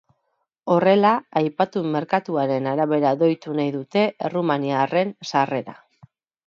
Horrela, aipatu merkatuaren arabera doitu nahi dute errumaniarren sarrera.